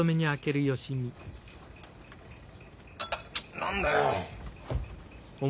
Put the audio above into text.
何だよ。